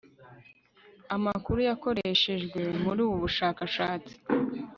amakuru yakoreshejwe muri ubu bushakashatsi